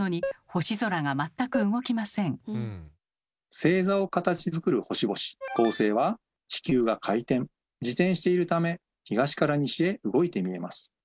星座を形づくる星々恒星は地球が回転自転しているため東から西へ動いて見えます。